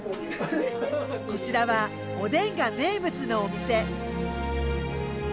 こちらはおでんが名物のお店。